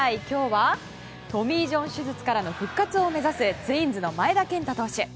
今日はトミー・ジョン手術からの復活を目指すツインズの前田健太投手。